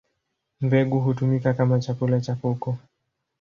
Mbegu hutumika kama chakula cha kuku.